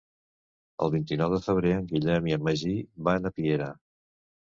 El vint-i-nou de febrer en Guillem i en Magí van a Piera.